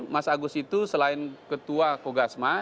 mas agus itu selain ketua kogasma